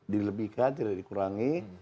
dilebihkan tidak dikurangi